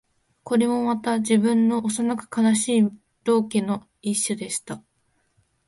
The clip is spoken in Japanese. これもまた、自分の幼く悲しい道化の一種でした